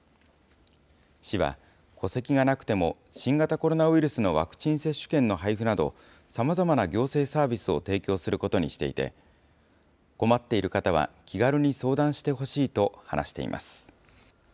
市は、戸籍がなくても、新型コロナウイルスのワクチン接種券の配布など、さまざまな行政サービスを提供することにしていて、困っている方は気軽に相談してほしいと話しています。